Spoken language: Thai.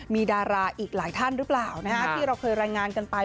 มีดาราอีกหลายท่านหรือเปล่าที่เราเคยรายงานกันไป